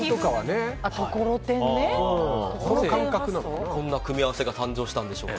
どうしてこんな組み合わせが誕生したんでしょうか。